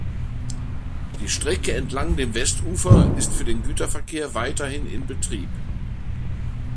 Die Strecke entlang dem Westufer ist für den Güterverkehr weiterhin in Betrieb.